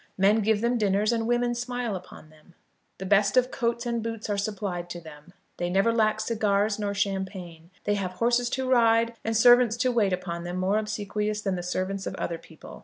Men give them dinners and women smile upon them. The best of coats and boots are supplied to them. They never lack cigars nor champagne. They have horses to ride, and servants to wait upon them more obsequious than the servants of other people.